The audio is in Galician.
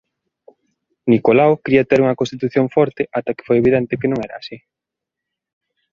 Nicolao cría ter unha constitución forte ata que foi evidente que non era así.